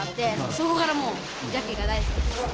そこからもうジャッキーが大好きです